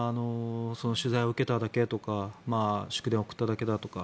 取材を受けただけとか祝電を送っただけだとか。